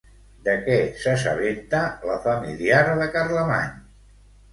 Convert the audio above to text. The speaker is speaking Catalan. De què s'assabenta la familiar de Carlemany?